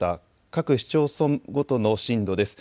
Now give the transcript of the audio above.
各市町村ごとの震度です。